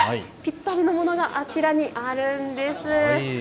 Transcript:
ぴったりのものがあちらにあるんです。